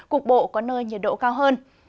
cục bộ có nơi nhiệt độ cao hơn